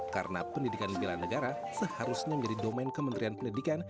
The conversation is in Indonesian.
karena pendidikan bela negara seharusnya menjadi domen kementerian pendidikan